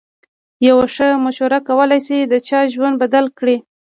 یوه ښه مشوره کولای شي د چا ژوند بدل کړي.